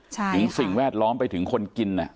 สิ่งแวดล้อมไปถึงคนกิน